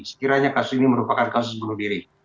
sekiranya kasus ini merupakan kasus bunuh diri